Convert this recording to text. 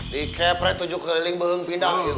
di kepret tujuh keliling belum pindah